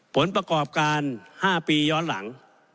ผลประกอบการ๕ปีย้อนหลัง